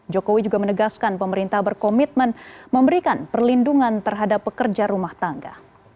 jokowi juga menegaskan pemerintah berkomitmen memberikan perlindungan terhadap pekerja rumah tangga